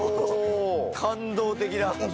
感動的だ。